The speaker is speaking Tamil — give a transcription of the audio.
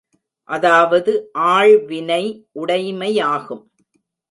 அதாவது ஆள்வினை உடைமையாகும்.